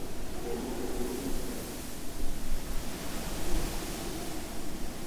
এর মধ্যে এমন কিছু জিনিস আছে।